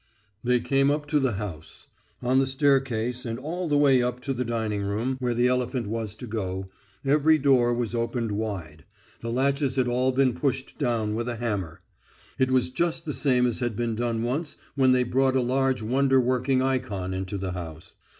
They came up to the house. On the staircase, and all the way up to the dining room where the elephant was to go, every door was opened wide; the latches had all been pushed down with a hammer. It was just the same as had been done once when they brought a large wonder working ikon into the house.